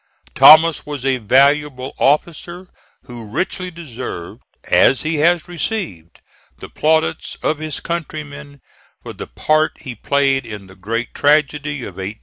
Thomas was a valuable officer, who richly deserved, as he has received, the plaudits of his countrymen for the part he played in the great tragedy of 1861 5.